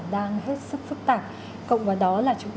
vâng ạ thưa ông diễn biến tình hình